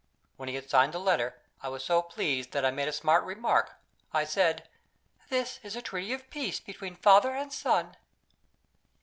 When he had signed the letter, I was so pleased that I made a smart remark. I said: "This is a treaty of peace between father and son."